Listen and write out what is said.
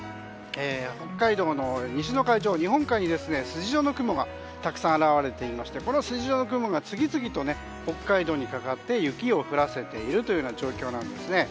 北海道の西の海上、日本海に筋状の雲がたくさん現れていましてこの筋状の雲が次々と北海道にかかって雪を降らせているというような状況なんですね。